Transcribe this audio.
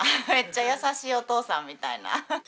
めっちゃ優しいお父さんみたいな。